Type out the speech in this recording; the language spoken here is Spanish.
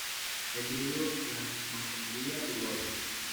El libro "La masonería uruguaya.